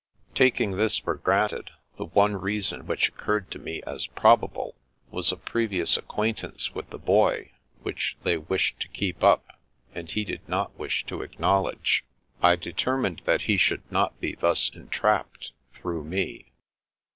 Taking this for granted, the one reason which occurred to me as probable, was a previous ac quaintance with the Boy, which they wished to keep up, and he did not wish to acknowledge. I deter 302 The Princess Passes mined that he should not be thus entrapped, through me.